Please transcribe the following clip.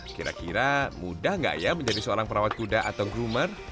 kira kira mudah nggak ya menjadi seorang perawat kuda atau groomer